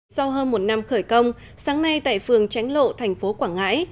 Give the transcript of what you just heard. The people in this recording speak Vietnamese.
sau hơn một năm khởi công sáng nay tại phường tránh lộ thành phố quảng ngãi